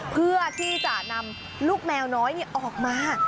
เพื่อที่จะนำลูกแมวน้อยออกมา